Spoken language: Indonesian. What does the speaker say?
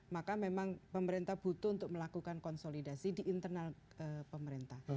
maka memang pemerintah butuh untuk melakukan konsolidasi di internal pemerintah